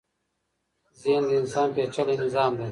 ذهن د انسان پېچلی نظام دی.